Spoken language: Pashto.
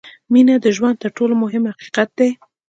• مینه د ژوند تر ټولو مهم حقیقت دی.